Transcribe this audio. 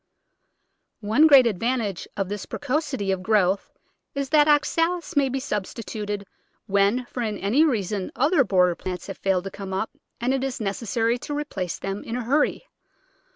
One great advantage of this precocity of growth is that Oxalis may be substituted when for any reason other border plants have failed to come up and it is necessary to replace them in a hurry.